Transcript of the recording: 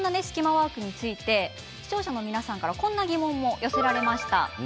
視聴者の皆さんからこんな疑問も寄せられました。